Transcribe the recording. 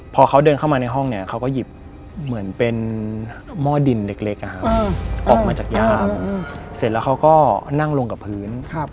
พอเขาเดินเข้ามาในห้องเนี่ยเขาก็หยิบเหมือนเป็นหม้อดินเล็กออกมาจากยามเสร็จแล้วเขาก็นั่งลงกับพื้น